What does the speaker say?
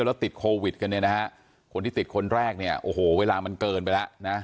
พฤติคนแรกเนี่ยโอ้โหเวลามันเกินไปแล้วนะ